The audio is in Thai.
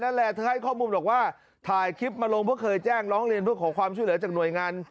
นั่นแหละเธอให้ข้อมูลบอกว่าถ่ายคลิปมาลงเพราะเคยแจ้งร้องเรียนเพื่อขอความช่วยเหลือจากหน่วยงาน